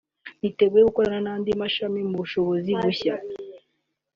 niteguye gukorana n’andi mashami mu bushobozi bushya